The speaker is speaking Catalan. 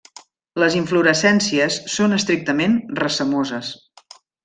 Les inflorescències són estrictament racemoses.